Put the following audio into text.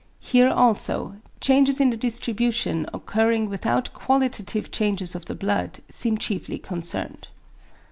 Here also, changes in the distribution occurring without qualitative changes of the blood seem chiefly concerned.